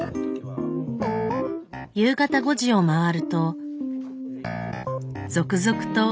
夕方５時を回ると続々とお客さん。